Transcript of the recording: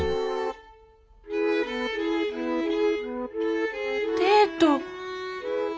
心の声デート！